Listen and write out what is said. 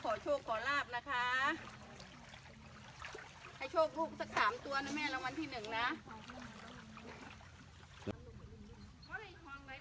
ก็ทุกข์มีสักทีแต่สุดเวลาด้วย